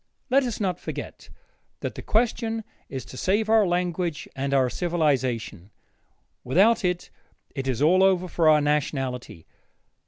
Let us not forget that that question is to save our language and our civilization; without that, it is all over with our nationality.